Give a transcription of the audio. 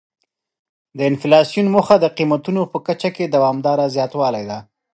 د انفلاسیون موخه د قیمتونو په کچه کې دوامداره زیاتوالی دی.